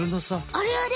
あれあれ？